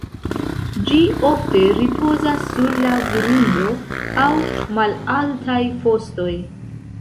Ĝi ofte ripozas sur la grundo aŭ malaltaj fostoj.